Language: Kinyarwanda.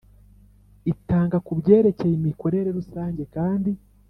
Itanga ku byerekeye imikorere rusange kandi